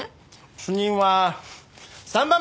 主任は３番目です！